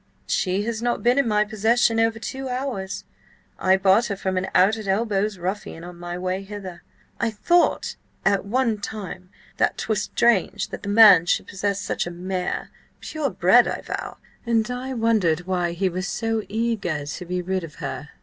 "She has not been in my possession over two hours. I bought her from an out at elbows ruffian, on my way hither. I thought at one time that 'twas strange that the man should possess such a mare–pure bred, I vow–and wondered why he was so eager to be rid of her."